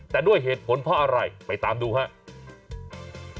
แต่ด้วยเหตุผลเพราะอะไรไปตามดูครับ